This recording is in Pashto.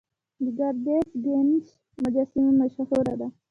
د ګردیز ګنیش مجسمه مشهوره ده